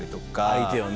相手をね。